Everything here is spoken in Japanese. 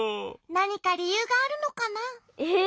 なにかりゆうがあるのかな？え？